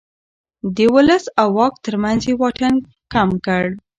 د ولس او واک ترمنځ يې واټن کم کړ.